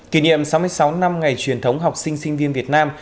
kỷ niệm sáu mươi sáu năm ngày truyền thống học sinh sinh viên việt nam